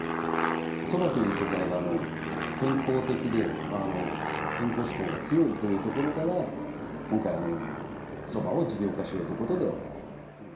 そばという素材が健康的で、健康志向が強いというところから、今回、そばを事業化しようということで。